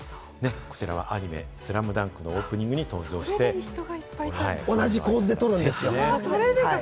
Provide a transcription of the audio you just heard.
こちらはアニメ『ＳＬＡＭＤＵＮＫ』のオープニングに登場して同じ構図で撮るんですよ。